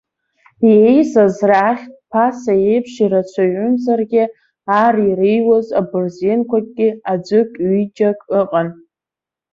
Еизаз рахьтә, ԥаса еиԥш ирацәаҩымзаргьы, ар иреиуаз абырзенқәагьы аӡәык-ҩыџьак ыҟан.